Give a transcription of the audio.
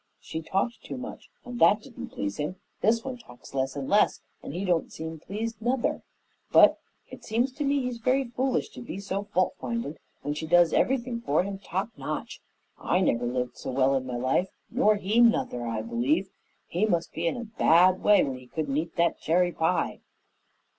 She talked too much, and that didn't please him; this one talks less and less, and he don't seem pleased, nuther, but it seems to me he's very foolish to be so fault findin' when she does everything for him top notch. I never lived so well in my life, nor he, nuther, I believe. He must be in a bad way when he couldn't eat that cherry pie."